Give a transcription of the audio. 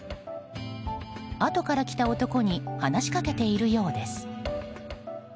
あとから来た男に話しかけているようです。